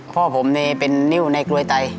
พ่อผมเป็นนิ้วในกลวยไต